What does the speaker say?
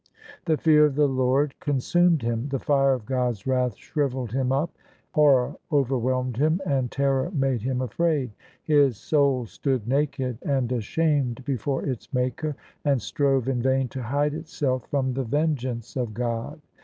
The fear of the Lord con sumed him: the fire of God's wrath shrivelled him up. Horror overwhelmed him, and terror made him afraid. His soul stood naked and ashamed before its Maker, and strove in vain to hide itself from the vengeance of God.